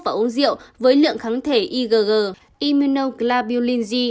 và uống rượu với lượng kháng thể igg immunoglobulin g